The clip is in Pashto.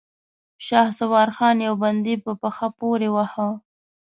شهسوار خان يو بندي په پښه پورې واهه.